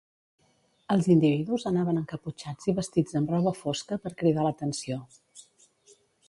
Els individus anaven encaputxats i vestits amb roba fosca per cridar l'atenció.